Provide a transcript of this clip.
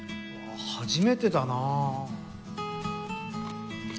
ああ初めてだな。